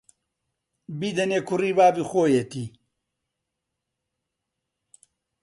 بیدەنێ، کوڕی بابی خۆیەتی